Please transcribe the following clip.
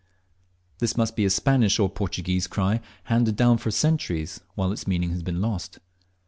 This must be a Spanish or Portuguese cry, handed down for centuries, while its meaning has been lost.